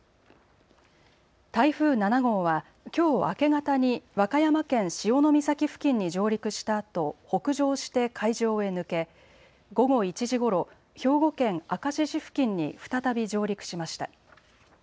台風７号はきょう明け方に和歌山県潮岬付近に上陸したあと北上して海上へ抜け午後１時ごろ兵庫県明石市付近に再び上陸しました。